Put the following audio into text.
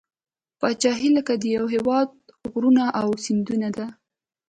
پاچهي لکه د یوه هیواد غرونه او سیندونه ده.